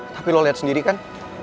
tapi lo lihat sendiri kan